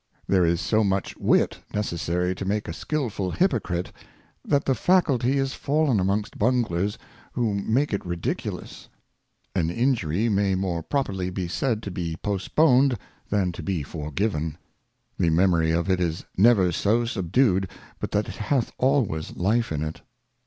Hypocrisy. THERE is so much Wit necessary to make a skilful Hypocrite, that the Faculty is fallen amongst Bunglers, who make it ridiculous. Injuries. AN Injury may more properly be said to be postponed, than to be forgiven. The Memory of it is never so subdued, but that it hath always Life in it.